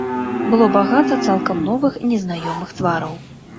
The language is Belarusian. Было багата цалкам новых незнаёмых твараў.